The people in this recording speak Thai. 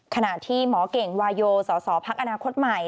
ขณะที่หมอเก่งวาโยสสพักอนาคตใหม่